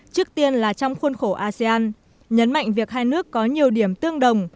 trước tiên là trong khuôn khổ asean nhấn mạnh việc hai nước có nhiều điểm tương đồng